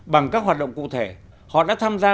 bằng các hoạt động cụ thể họ đã tham gia